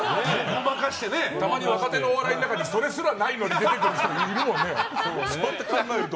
たまに若手のお笑いの中でそれすらない人も出てくる人いるよね。